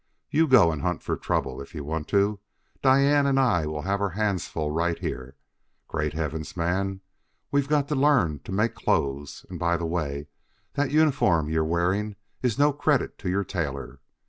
You go and hunt trouble if you want to; Diane and I will have our hands full right here. Great heavens, man! We've got to learn to make clothes; and, by the way, that uniform you're wearing is no credit to your tailor.